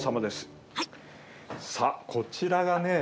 さあ、こちらがね